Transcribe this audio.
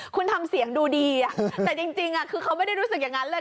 คุณทำเสียงดูดีแต่จริงคือเขาไม่ได้รู้สึกอย่างนั้นเลย